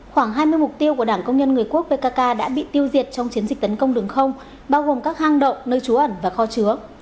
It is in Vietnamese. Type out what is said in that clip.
khoảng hai mươi mục tiêu của đảng công nhân người quốc pkk đã bị tiêu diệt trong chiến dịch tấn công đường không bao gồm các hang động nơi trú ẩn và kho chứa